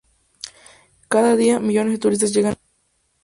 Cada día, millones de turistas llegan a la isla.